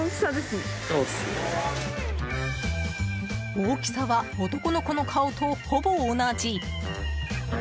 大きさは男の子の顔とほぼ同じ。